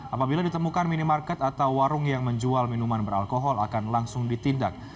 apabila ditemukan minimarket atau warung yang menjual minuman beralkohol akan langsung ditindak